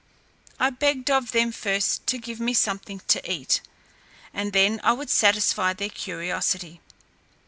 "I begged of them first to give me something to eat, and then I would satisfy. their curiosity.